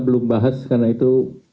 belum bahas karena itu